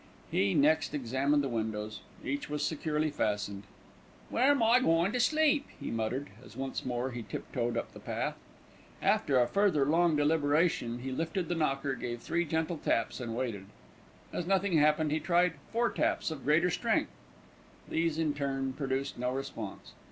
He next examined the windows. Each was securely fastened. "Where'm I goin' to sleep?" he muttered, as once more he tip toed up the path. After a further long deliberation, he lifted the knocker, gave three gentle taps and waited. As nothing happened, he tried four taps of greater strength. These, in turn, produced no response.